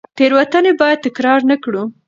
تېروتنې بیا تکرار نه کړو.